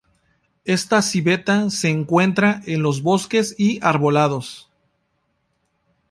Esta civeta se encuentra en los bosques y arbolados.